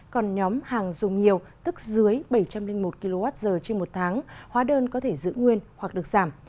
còn nhóm hàng dùng nhiều tức dưới bảy trăm linh một kwh trên một tháng hóa đơn có thể giữ nguyên hoặc được giảm